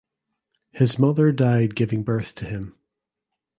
His mother died giving birth to him.